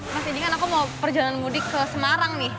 mas ini kan aku mau perjalanan mudik ke semarang nih